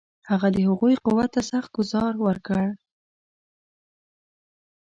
هغه د هغوی قوت ته سخت ګوزار ورکړ.